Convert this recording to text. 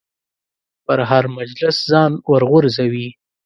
په هر مجلس ځان ورغورځوي.